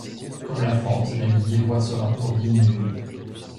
Comme la France, l'Allier voit ce rapport diminuer.